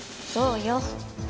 そうよ。